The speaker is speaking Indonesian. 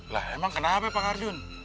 lah emang kenapa pak arjun